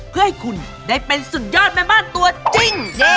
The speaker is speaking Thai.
เพื่อให้คุณได้เป็นสุดยอดแม่บ้านตัวจริง